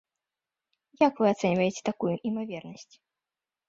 Як вы ацэньваеце такую імавернасць?